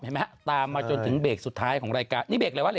มันมักมากเขาจะไปแต่งงานดีกว่า